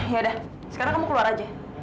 yaudah sekarang kamu keluar aja